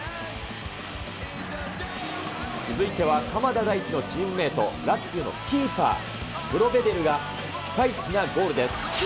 続いては鎌田大地のチームメート、ラツィオのキーパー、プロべデルがピカイチなゴールです。